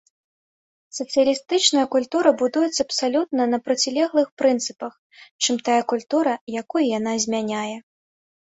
Сацыялістычная культура будуецца абсалютна на процілеглых прынцыпах, чым тая культура, якую яна змяняе.